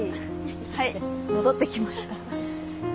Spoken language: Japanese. はい戻ってきました。